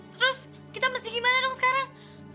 terus kita mesti gimana dong sekarang